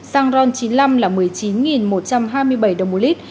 xăng ron chín mươi năm là một mươi chín một trăm hai mươi bảy đồng một lít